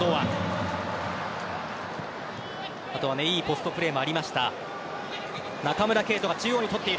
あとはいいポストプレーもありました。